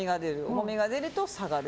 重みが出ると下がる。